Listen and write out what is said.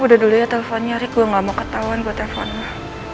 udah dulu ya telfonnya rik gue nggak mau ketauan gue telfon lo